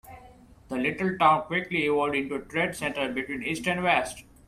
The little town quickly evolved into a trade center between east and west.